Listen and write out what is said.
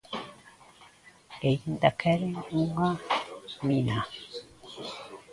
E aínda queren unha mina?